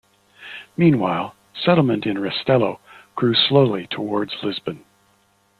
Meanwhile, settlement in Restelo grew slowly towards Lisbon.